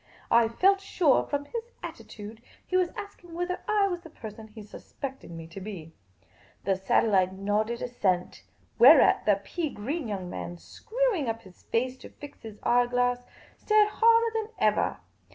I felt sure, from his attitude, he was asking whether I was the person he suspected me to be. The satellite nodded assent, whereat the pea green young man, screwing up his face to fix his eye glass, stared harder than ever.